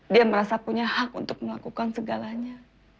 dia merasa punya hak untuk melakukan segalanya